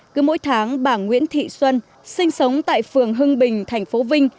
cứ mỗi tháng bà nguyễn thị xuân sinh sống tại phường hưng bình thành phố vinh